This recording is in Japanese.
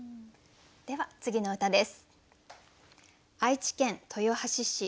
では次の歌です。